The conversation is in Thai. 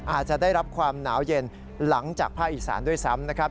อาจจะได้รับความหนาวเย็นหลังจากภาคอีสานด้วยซ้ำนะครับ